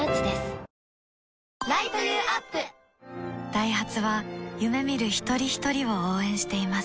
ダイハツは夢見る一人ひとりを応援しています